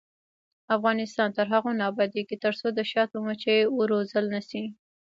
افغانستان تر هغو نه ابادیږي، ترڅو د شاتو مچۍ وروزل نشي.